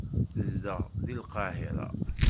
Tezdeɣ deg Lqahira.